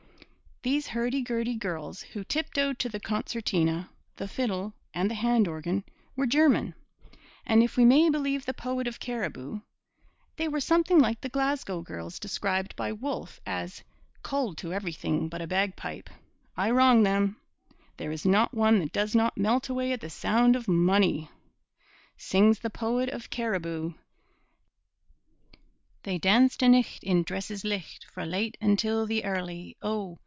These hurdy gurdy girls, who tiptoed to the concertina, the fiddle, and the hand organ, were German; and if we may believe the poet of Cariboo, they were something like the Glasgow girls described by Wolfe as 'cold to everything but a bagpipe I wrong them there is not one that does not melt away at the sound of money.' Sings the poet of Cariboo: They danced a' nicht in dresses licht Fra' late until the early, O!